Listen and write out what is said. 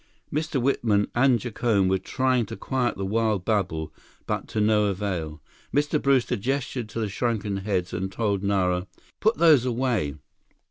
Mr. Whitman and Jacome were trying to quiet the wild babble but to no avail. Mr. Brewster gestured to the shrunken heads and told Nara: "Put those away."